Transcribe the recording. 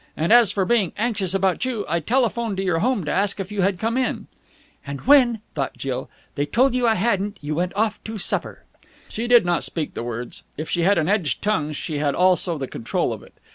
And, as for being anxious about you, I telephoned to your home to ask if you had come in." "And when," thought Jill, "they told you I hadn't, you went off to supper!" She did not speak the words. If she had an edged tongue, she had also the control of it.